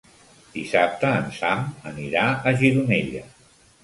Dissabte en Sam anirà a Gironella.